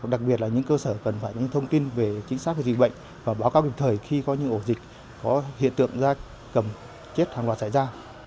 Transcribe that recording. đặc biệt là những cơ sở cần phải những thông tin về chính xác về dịch bệnh và báo cáo kịp thời khi có những ổ dịch có hiện tượng da cầm chết hàng loạt xảy ra